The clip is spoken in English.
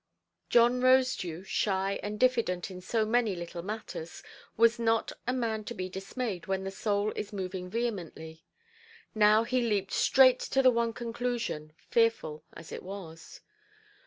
John Rosedew, shy and diffident in so many little matters, was not a man to be dismayed when the soul is moving vehemently. Now he leaped straight to the one conclusion, fearful as it was.